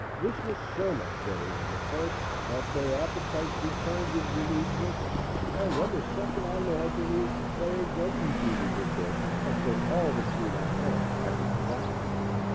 This was so much better than the first that their appetites returned with renewed vigor, and when the second animal had been eaten, they again repeated the courses until all the food on hand had been devoured.